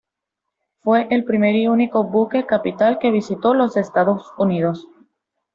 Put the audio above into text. Fue el primer y único buque capital que visitó los Estados Unidos.